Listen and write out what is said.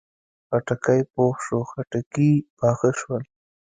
خټکی پوخ شو، خټکي پاخه شول